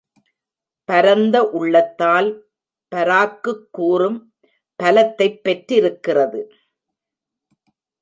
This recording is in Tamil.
பரந்த உள்ளத்தால் பராக்குக் கூறும் பலத்தைப் பெற்றிருக்கிறது.